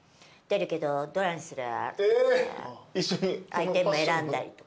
アイテム選んだりとか。